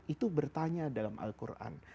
itu bertanya dalam al quran